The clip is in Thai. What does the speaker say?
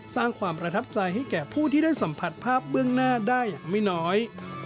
สร้างความประทับใจให้แก่ผู้ที่ได้สัมผัสภาพเบื้องหน้าได้อย่างไม่น้อย